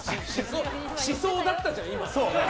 しそうだったじゃん、今。